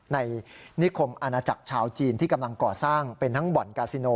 ในนิคมอาณาจักรชาวจีนที่กำลังก่อสร้างเป็นทั้งบ่อนกาซิโน